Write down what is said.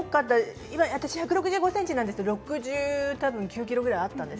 １６５ｃｍなんですが６９ｋｇぐらいあったんです。